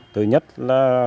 thứ nhất là